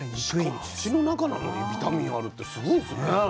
しかも土の中なのにビタミンあるってすごいですね。